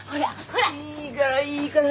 いいからいいから。